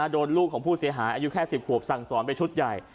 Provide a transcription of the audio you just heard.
โดนลูกของผู้เสียหายอายุแค่๑๐ขวบสั่งสอนไปชุดใหญ่